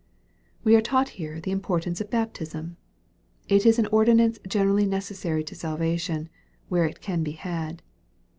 We are taught here the importance of baptism. It is an ordinance generally necessary to salvation, where it can be had.